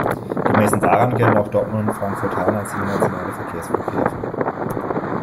Gemessen daran gelten auch Dortmund und Frankfurt-Hahn als internationale Verkehrsflughäfen.